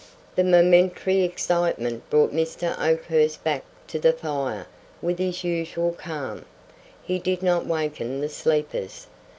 The momentary excitement brought Mr. Oakhurst back to the fire with his usual calm. He did not waken the sleepers.